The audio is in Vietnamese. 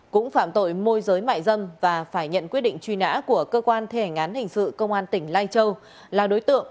cũng phạm tội môi giới mại dân và phải nhận quyết định truy nã của cơ quan thể ngán hình sự công an tỉnh lai châu